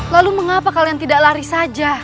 lalu mengapa kalian tidak lari saja